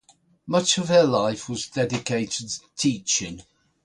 Much of her life was dedicated to teaching.